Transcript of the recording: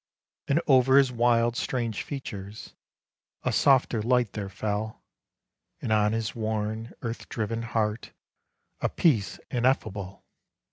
And over his wild, strange features A softer light there fell, And on his worn, earth driven heart A peace ineffable.